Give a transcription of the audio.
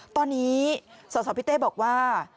ตอนนี้สาธารณ์พิเตศบอกว่า